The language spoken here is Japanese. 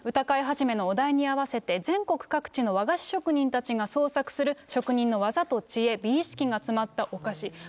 歌会始のお題に合わせて全国各地の和菓子職人たちが創作する職人のわざと知恵、美意識が詰まったお菓子。